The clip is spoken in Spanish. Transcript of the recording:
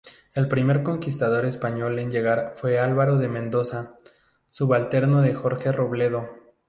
El primer conquistador español en llegar fue Álvaro de Mendoza, subalterno de Jorge Robledo.